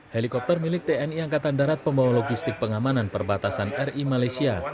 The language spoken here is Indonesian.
helikopter milik tni angkatan darat pembawa logistik pengamanan perbatasan ri malaysia